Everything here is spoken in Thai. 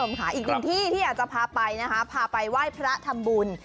อีกหนึ่งที่ที่อยากจะพาไปนะคะพาไปไหว้พระทำบุญ